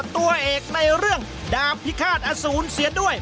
ตัวเอกในเรื่องดาบพิฆาตอสูรเสียด้วย